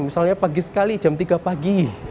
misalnya pagi sekali jam tiga pagi